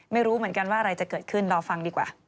ไม่รู้เหมือนกันว่าอะไรจะเกิดขึ้นรอฟังดีกว่า